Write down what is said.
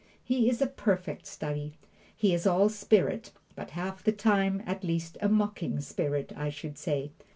He is a perfect study. He is all spirit, but half the time, at least, a mocking spirit, I should say.